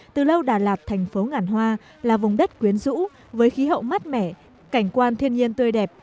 từ lâu đà lạt thành phố ngàn hoa là vùng đất quyến rũ với khí hậu mát mẻ cảnh quan thiên nhiên tươi đẹp